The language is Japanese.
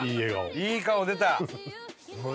いい顔出た！